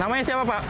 namanya siapa pak